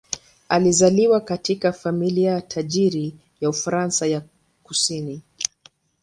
Alizaliwa katika familia tajiri ya Ufaransa ya kusini.